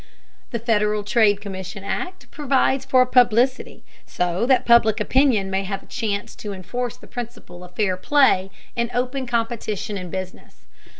The Federal Trade Commission Act provides for publicity, so that public opinion may have a chance to enforce the principle of fair play and open competition in business.